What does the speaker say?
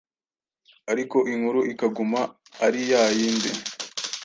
ariko inkuru ikaguma ari yayindi.